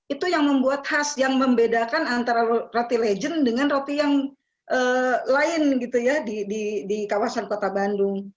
itu yang membuat khas yang membedakan antara roti legend dengan roti yang lain gitu ya di kawasan kota bandung